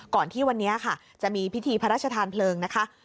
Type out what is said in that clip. ที่วันนี้ค่ะจะมีพิธีพระราชทานเพลิงนะคะ